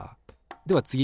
では次！